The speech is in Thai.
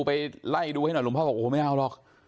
ไปไล่ดูให้หน่อยหลวงพ่อก็ไม่เอาหรอก